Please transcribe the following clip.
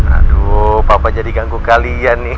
aduh papa jadi ganggu kalian nih